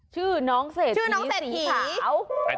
ชื่อน้องเศรษฐชื่อน้องเศรษฐีขาว